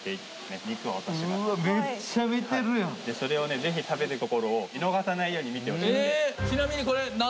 ぜひ食べるところを見逃さないように見てほしいです